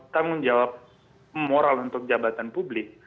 tanggung jawab moral untuk jabatan publik